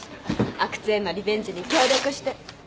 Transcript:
阿久津へのリベンジに協力して。